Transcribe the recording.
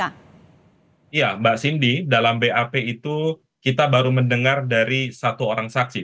iya mbak cindy dalam bap itu kita baru mendengar dari satu orang saksi